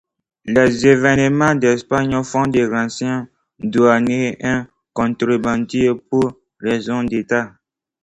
Les événements d'Espagne font de l'ancien douanier un contrebandier pour raison d'État.